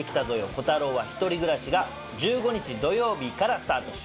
コタローは１人暮らし』が１５日土曜日からスタートします。